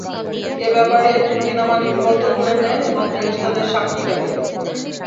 এ ব্যাপারে চুক্তিনামা লিপিবন্ধ করে নেন এবং ফেরেশতাদের সাক্ষী রাখেন।